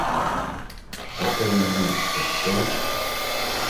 Әсәйем ни... эштә.